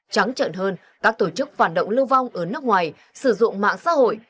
trắng trợn hơn các tổ chức phản động lưu vong ở nước ngoài sử dụng mạng xã hội